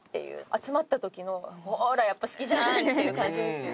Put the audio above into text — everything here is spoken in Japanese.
集まった時の「ほらやっぱ好きじゃん！」っていう感じですよね。